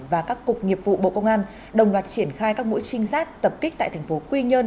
và các cục nghiệp vụ bộ công an đồng loạt triển khai các mũi trinh sát tập kích tại thành phố quy nhơn